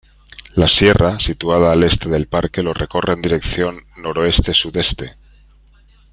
La sierra, situada al Este del parque, lo recorre en dirección noroeste-sudeste.